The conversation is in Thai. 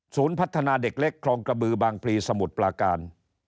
พัฒนาเด็กเล็กคลองกระบือบางพลีสมุทรปลาการ